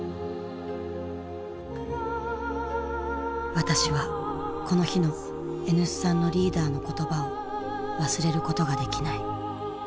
私はこの日のＮ産のリーダーの言葉を忘れることができない。